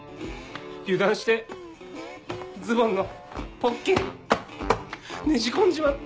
油断してズボンのポッケにねじ込んじまって。